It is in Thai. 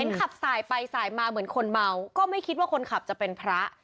ขับสายไปสายมาเหมือนคนเมาก็ไม่คิดว่าคนขับจะเป็นพระ